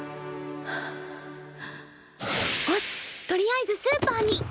とりあえずスーパーに。